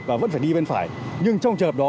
và vẫn phải đi bên phải nhưng trong trường hợp đó